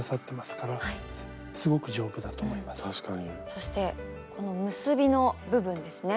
そしてこの結びの部分ですね。